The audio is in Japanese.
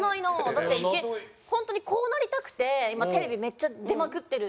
だって本当にこうなりたくて今テレビめっちゃ出まくってるんで。